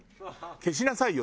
消しなさいよ。